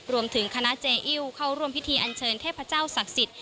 รวมถึงคณะเจอิ้วเข้าร่วมพิธีอันเชิญเทพเจ้าศักดิ์สิทธิ